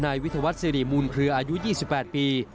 นายวิทยาวัฒนสิริมูลเครืออายุ๒๘ปี